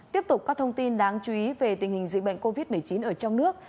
tiếp tục các thông tin đáng chú ý về tình hình dịch bệnh covid một mươi chín ở trong nước